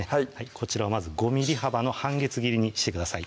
こちらをまず５ｍｍ幅の半月切りにしてください